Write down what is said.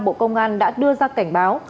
bộ công an đã đưa ra cảnh báo